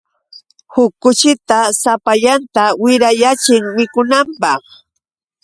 Huk kuchita sapallanta wirayaachin mikunanpaq.